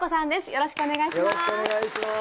よろしくお願いします。